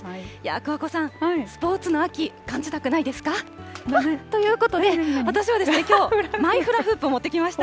桑子さん、スポーツの秋、感じたくないですか？ということで、私はですね、きょう、マイフラフープを持ってきました。